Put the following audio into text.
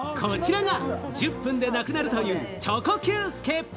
こちらが１０分でなくなるというチョコＱ助。